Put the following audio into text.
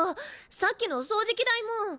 さっきの掃除機代も。